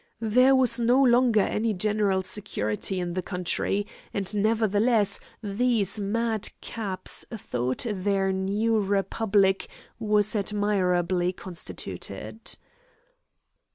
There was no longer any general security in the country, and nevertheless these mad caps thought their new republic was admirably constituted.